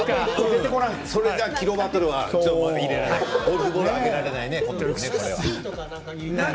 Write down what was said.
それだとキロバトルは入れられないね。